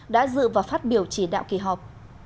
đã dự và phát biểu chỉ đạo kỳ họp